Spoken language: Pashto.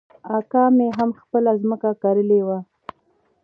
اکا مې هم خپله ځمکه کرلې وه.